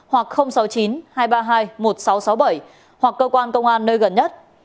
hoặc sáu mươi chín hai trăm ba mươi hai một nghìn sáu trăm sáu mươi bảy hoặc cơ quan công an nơi gần nhất